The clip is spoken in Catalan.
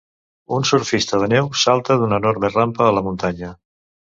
Un surfista de neu salta d'una enorme rampa a la muntanya.